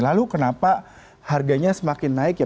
lalu kenapa harganya semakin naik ya